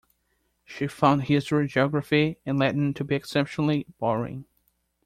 She found history, geography and Latin to be exceptionally boring.